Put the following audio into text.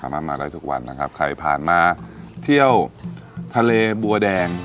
มาได้ทุกวันนะครับใครผ่านมาเที่ยวทะเลบัวแดง